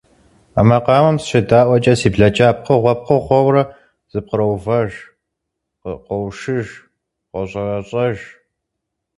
А макъамэм сыщедаӏуэкӏэ, си блэкӏар пкъыгъуэ пкъыгъуэурэ зэпкъыроувэж, къоушыж, къощӏэрэщӏэж.